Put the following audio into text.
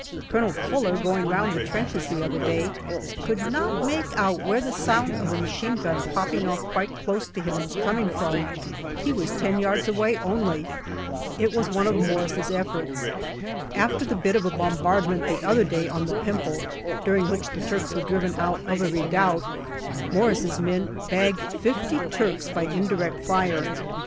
Colonel Fuller, going round the trenches the other day, could not make out where the sound of a machine gun popping off quite close to him was coming from. He was ten yards away only ; it was one of Morris's efforts. After the bit of a bombardment the other day on the Pimple, during which the Turks were driven out of a redoubt, Morris's men bagged fifty Turks by indirect fire.